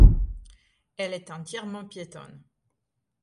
Elle est entièrement piétonne.